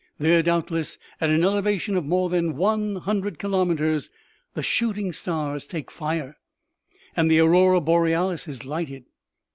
There, doubtless, at an elevation of more than one hundred kilometers, the shooting stars take fire, and the aurora borealis is lighted.